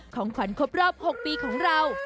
ของขวัญครบรอบ๖ปีของเรา